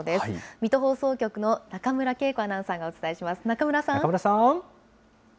水戸放送局の中村慶子アナウンサーがお伝えします。